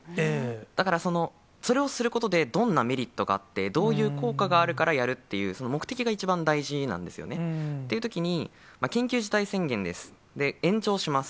だから、それをすることで、どんなメリットがあって、どういう効果があるからやるっていう、その目的が一番大事なんですよね。っていうときに、緊急事態宣言です、延長します。